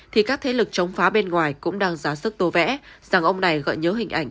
thì các thế lực chống phá bên ngoài cũng đang giá sức tô vẽ rằng ông này gợi nhớ hình ảnh